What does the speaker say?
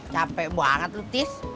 capek banget lu tis